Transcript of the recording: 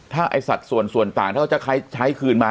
ถ้าไอ้สัดส่วนส่วนต่างถ้าเขาจะใช้คืนมา